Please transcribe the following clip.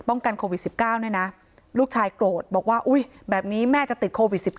กันโควิด๑๙เนี่ยนะลูกชายโกรธบอกว่าอุ๊ยแบบนี้แม่จะติดโควิด๑๙